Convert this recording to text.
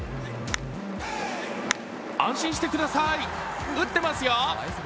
安心してください、打ってますよ。